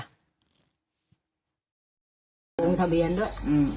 ลงทะเบียนด้วย